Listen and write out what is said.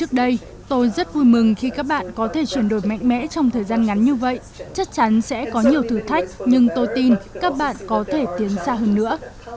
hà nội đã thay đổi đáng kể so với trước đây tôi tin các bạn có thể chuyển đổi mạnh mẽ trong thời gian ngắn như vậy chắc chắn sẽ có nhiều thử thách nhưng tôi tin các bạn có thể tiến xa hơn nữa